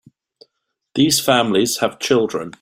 These families have children.